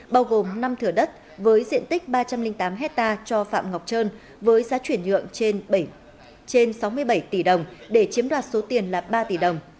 bao gồm năm thửa đất với diện tích ba trăm linh tám hectare cho phạm ngọc trơn với giá chuyển nhượng trên sáu mươi bảy tỷ đồng để chiếm đoạt số tiền là ba tỷ đồng